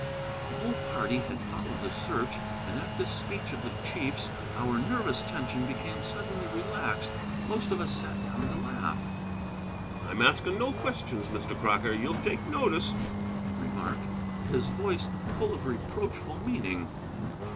The whole party had followed the search, and at this speech of the chief's our nervous tension became suddenly relaxed. Most of us sat down to laugh. "I'm asking no questions, Mr. Crocker, ye'll take notice," he remarked, his voice full of reproachful meaning.